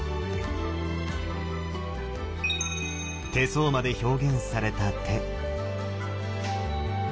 手相まで表現された手。